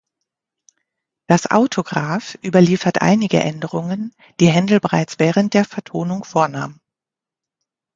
Das Autograph überliefert einige Änderungen, die Händel bereits während der Vertonung vornahm.